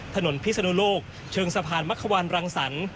ถนนพิศนุโลกเชิงสะพานมะควันรังสรรค์